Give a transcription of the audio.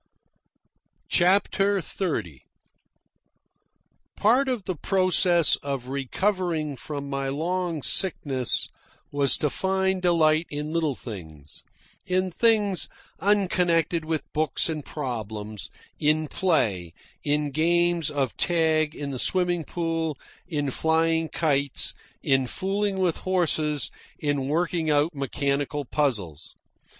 CHAPTER XXX Part of the process of recovering from my long sickness was to find delight in little things, in things unconnected with books and problems, in play, in games of tag in the swimming pool, in flying kites, in fooling with horses, in working out mechanical puzzles.